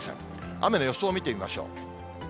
雨の予想を見てみましょう。